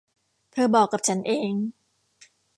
เธอบอกกับฉันเอง